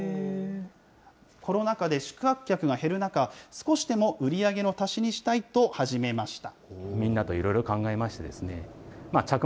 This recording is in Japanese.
コロナ禍で宿泊客が減る中、少しでも売り上げの足しにしたいと始めました。